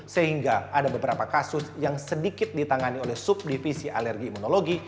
sehingga ada beberapa kasus yang sedikit ditangani oleh subdivisi alergi imunologi